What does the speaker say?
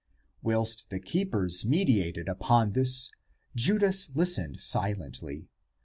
Whilst the keepers medi tated upon this, Judas listened silently.